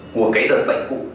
của cái đợt bệnh cũ